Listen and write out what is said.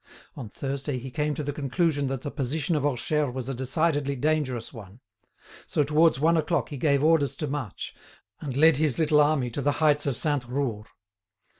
On Thursday he came to the conclusion that the position of Orcheres was a decidedly dangerous one; so towards one o'clock he gave orders to march, and led his little army to the heights of Sainte Roure.